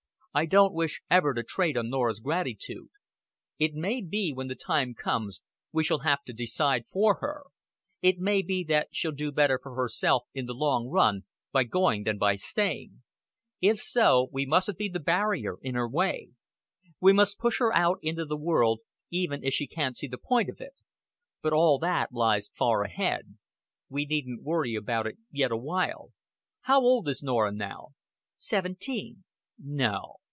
"I don't wish ever to trade on Norah's gratitude. It may be, when the time comes, we shall have to decide for her. It may be that she'll do better for herself in the long run by going than by staying. If so, we mustn't be the barrier in her way. We must push her out into the world, even if she can't see the point of it. But all that lies far ahead. We needn't worry about it yet a while.... How old is Norah now?" "Seventeen." "No?